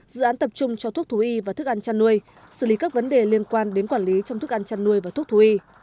dự án tập trung cho thuốc thú y và thức ăn chăn nuôi xử lý các vấn đề liên quan đến quản lý trong thức ăn chăn nuôi và thuốc thú y